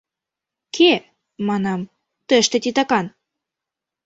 Кӧ, — манам, — тыште титакан?